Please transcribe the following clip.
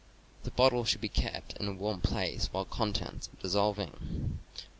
The bottle should be kept in a warm place while contents are dissolving.